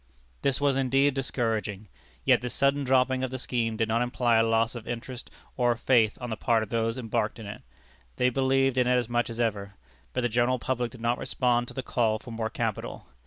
This was indeed discouraging. Yet this sudden dropping of the scheme did not imply a loss of interest or of faith on the part of those embarked in it. They believed in it as much as ever. But the general public did not respond to the call for more capital.